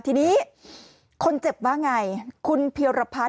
แต่ไม่ได้ว่าเอาหน้าเขาไปทิ้มกับท่อนะครับ